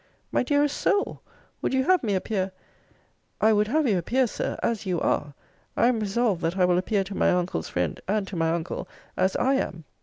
My dearest soul Would you have me appear I would have you appear, Sir, as you are! I am resolved that I will appear to my uncle's friend, and to my uncle, as I am.